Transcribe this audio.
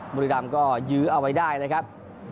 บุรีรำก็ยื้อเอาไว้ได้นะครับ